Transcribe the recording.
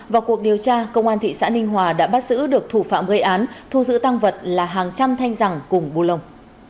vào cuộc điều tra công an thị xã ninh hòa đã bắt giữ được thủ phạm gây án thu giữ tăng vật là hàng trăm thanh rằng cùng bù lồng